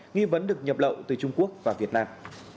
nghi vấn được nhập lậu từ trung quốc và việt nam